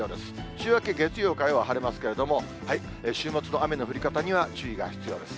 週明け、月曜、火曜は晴れますけれども、週末の雨の降り方には注意が必要です。